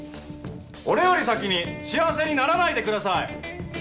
俺より先に幸せにならないでください！